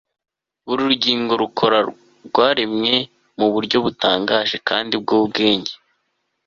buri rugingo rukora rwaremwe mu buryo butangaje kandi bw'ubwenge